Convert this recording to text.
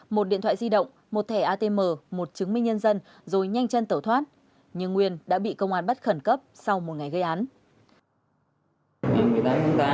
một điện thoại di động một thẻ atm một chứng minh nhân dân rồi nhanh chân tẩu thoát